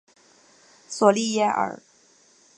索利耶尔。